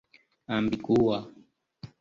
ambigua